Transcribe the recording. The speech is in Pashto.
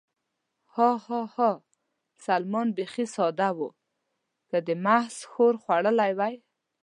ها، ها، ها، سلمان بېخي ساده و، که دې محض ښور خوړلی وای.